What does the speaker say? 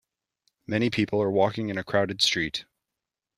Many people are walking in a crowded street.